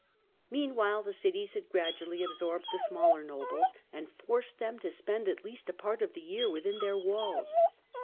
Meanwhile the cities had gradually absorbed the smaller nobles, and forced them to spend at least a part of the year within their walls.